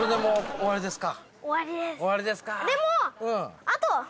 終わりですか。